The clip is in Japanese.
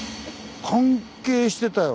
関係してたよ。